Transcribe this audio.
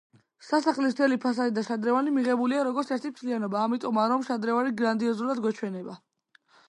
სასახლის მთელი ფასადი და შადრევანი მიღებულია, როგორც ერთი მთლიანობა, ამიტომაა, რომ შადრევანი გრანდიოზულად გვეჩვენება.